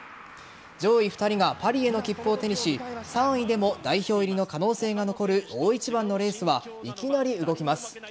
上位２人がパリへの切符を手にし３位でも代表入りの可能性が残る大一番のレースはいきなり動きます。